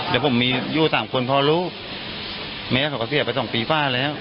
แล้วผมมีอยู่สามคนพอลูกแม่เขาก็เสียไปสองปีฝ้าแล้ว